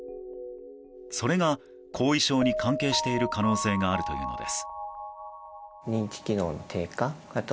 それが後遺症に関係している可能性があるというのです。